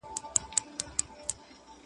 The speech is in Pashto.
تا ته اوس هم شرابونه قمارونه -